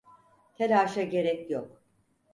Telaşa gerek yok.